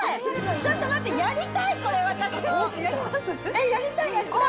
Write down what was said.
ちょっと待って、やりたい、これやります？